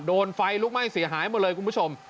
โดนไฟลุกไหม้เสียหายหมดเลยคุณผู้ชม